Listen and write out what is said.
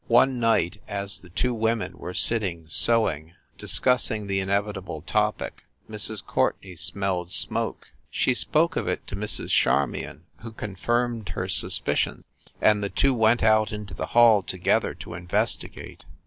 One night, as the two women were sitting sew ing, discussing the inevitable topic, Mrs. Courtenay smelled smoke. She spoke of it to Mrs. Charmion, who confirmed her suspicion, and the two went out into the hall together to investigate.